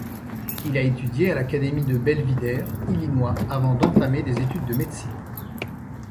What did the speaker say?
Il a étudié à l'Académie de Belvidere, Illinois avant d'entamer des études de médecine.